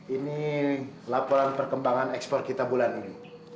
ini laporan perkembangan ekspor kita bulan ini